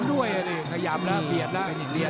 ถอยกับผลักษมณีนะผลักษมณี